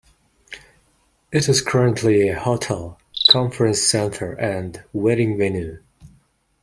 It is currently a hotel, conference centre and wedding venue.